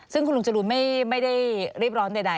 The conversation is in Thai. ซึ่งคุณลุงจรูนไม่ได้รีบร้อนใด